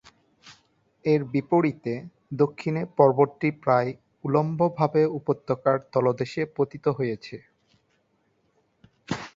এর বিপরীতে, দক্ষিণে পর্বতটি প্রায় উল্লম্বভাবে উপত্যকার তলদেশে পতিত হয়েছে।